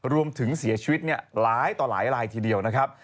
รวมถึงเสียชีวิตหลายต่อหลายลายทีเดียวนะครับ